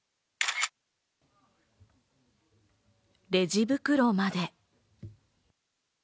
レジ袋まで。